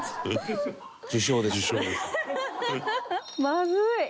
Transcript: まずい。